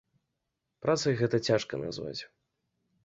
Працай гэта цяжка назваць.